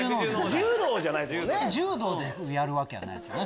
柔道でやるわけはないですね。